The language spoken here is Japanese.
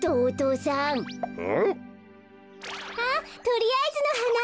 とりあえずのはな。